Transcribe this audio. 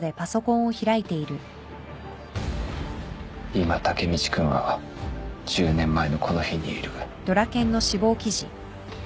今タケミチ君は１０年前のこの日にいる。